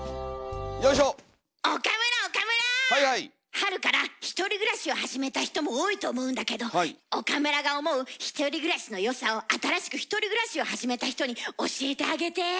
春から１人暮らしを始めた人も多いと思うんだけど岡村が思う１人暮らしの良さを新しく１人暮らしを始めた人に教えてあげて。